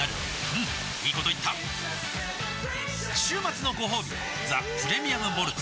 うんいいこと言った週末のごほうび「ザ・プレミアム・モルツ」